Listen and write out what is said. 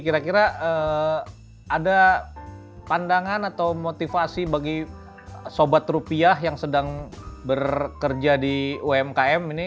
kira kira ada pandangan atau motivasi bagi sobat rupiah yang sedang bekerja di umkm ini